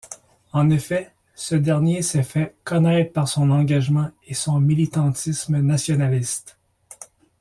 En effet, ce dernier s'est fait connaître par son engagement et son militantisme nationaliste.